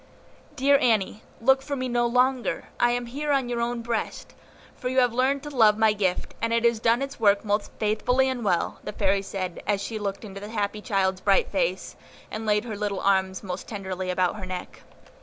"Dear Annie, look for me no longer; I am here on your own breast, for you have learned to love my gift, and it has done its work most faithfully and well," the Fairy said, as she looked into the happy child's bright face, and laid her little arms most tenderly about her neck.